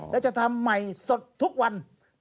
และจะทำใหม่สดทุกวัน